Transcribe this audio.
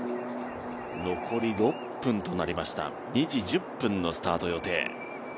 残り６分となりました、２時１０分のスタート予定。